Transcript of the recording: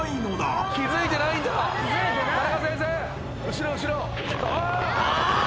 後ろ後ろ！